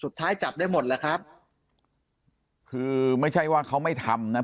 สุดท้ายจับได้หมดหรือครับคือไม่ใช่ว่าเขาไม่ทำนะ